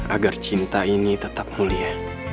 agar cinta ini tetap mulia